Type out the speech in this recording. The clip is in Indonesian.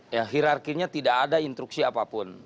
ya hirarkinya tidak ada instruksi apapun